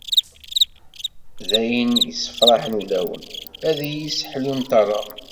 D ayen yessefṛaḥen ulawen, ad iyi-seḥlu nṭerreɣ.